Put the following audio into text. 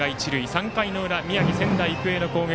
３回の裏、宮城、仙台育英の攻撃。